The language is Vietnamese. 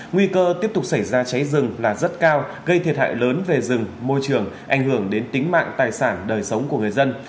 nguy cơ tiếp tục xảy ra cháy rừng là rất cao gây thiệt hại lớn về rừng môi trường ảnh hưởng đến tính mạng tài sản đời sống của người dân